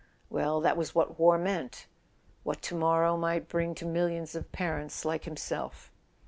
Well, that was what war meant. .. what to morrow might bring to millions of parents like himself.